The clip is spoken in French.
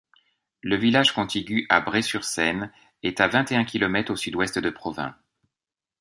Le village contigu à Bray-sur-Seine est à vingt-et-un kilomètres au sud-ouest de Provins.